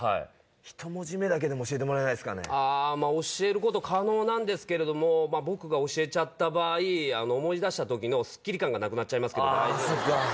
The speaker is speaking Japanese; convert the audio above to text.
１文字目だけでも教えてもらあー、教えること可能なんですけど、僕が教えちゃった場合、思い出したときのすっきり感がなくなっちゃいますけど、大丈夫でそうか。